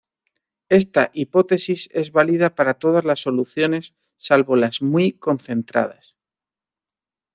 Esta hipótesis es válida para todas las soluciones salvo las muy concentradas.